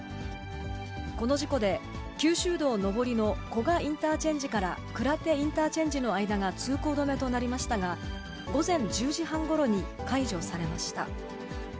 この事故で、九州道上りの古賀インターチェンジから鞍手インターチェンジの間が通行止めとなりましたが、午前１０時半ごろに解除されました。